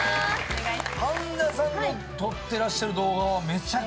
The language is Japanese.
神田さんの撮ってらっしゃる動画は。